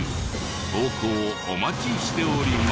投稿お待ちしております。